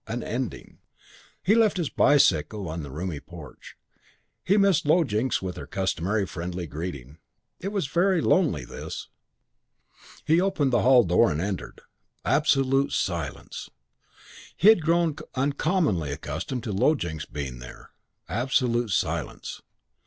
An ending. He left his bicycle in the roomy porch. He missed Low Jinks with her customary friendly greeting. It was very lonely, this. He opened the hall door and entered. Absolute silence. He had grown uncommonly accustomed to Low Jinks being here.... Absolute silence.